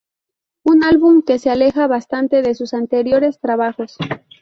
Un álbum que se aleja bastante de sus anteriores trabajos.